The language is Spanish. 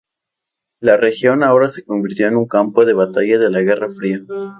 La región ahora se convirtió en un campo de batalla de la Guerra Fría.